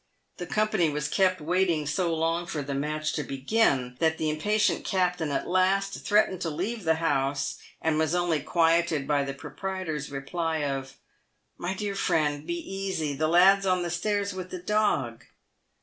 The company was kept waiting so long for the match to begin that the impatient captain at last threatened to leave the house, and was only quieted by the proprietor's reply of " My dear friend, be easy, the lad's on the stairs with the dog."